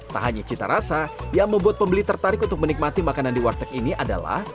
tak hanya cita rasa yang membuat pembeli tertarik untuk menikmati makanan di warteg ini adalah